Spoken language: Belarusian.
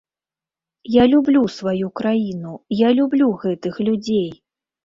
Я люблю сваю краіну, я люблю гэтых людзей.